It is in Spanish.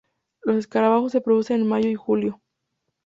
Los escarabajos se producen en mayo y julio.